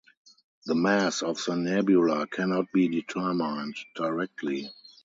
The mass of the nebula cannot be determined directly.